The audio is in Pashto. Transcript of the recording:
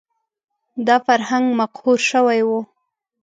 دا فرهنګ مقهور شوی و